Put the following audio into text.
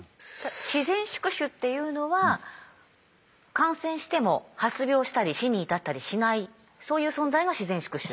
自然宿主っていうのは感染しても発病したり死に至ったりしないそういう存在が自然宿主？